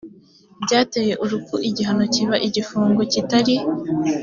byateye urupfu igihano kiba igifungo kitari